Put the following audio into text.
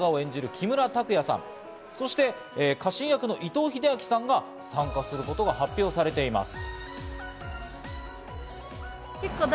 木村拓哉さん、そして家臣役の伊藤英明さんが参加することが発表されています。